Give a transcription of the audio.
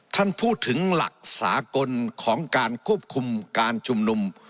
ท่านพูดถึงหลักสากลของการควบคุมการชุมนุม